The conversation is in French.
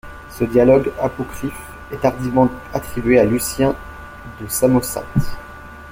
Ce dialogue apocryphe est tardivement attribué à Lucien de Samosate.